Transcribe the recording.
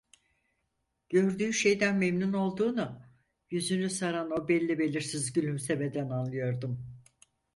Gördüğü şeyden memnun olduğunu, yüzünü saran o belli belirsiz gülümsemeden anlıyordum.